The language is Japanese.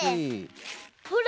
ほら！